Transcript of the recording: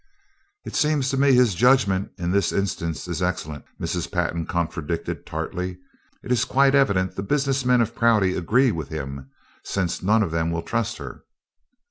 "It seems to me his judgment in this instance is excellent," Mrs. Pantin contradicted tartly. "It's quite evident the business men of Prouty agree with him, since none of them will trust her."